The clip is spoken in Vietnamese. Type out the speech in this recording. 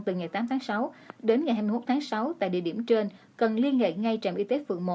từ ngày tám tháng sáu đến ngày hai mươi một tháng sáu tại địa điểm trên cần liên hệ ngay trạm y tế phường một